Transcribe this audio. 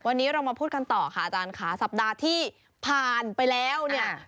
วันนี้เรามาพูดกันต่อค่ะอาจารย์ค่ะสัปดาห์ที่ผ่านไปแล้วเนี่ย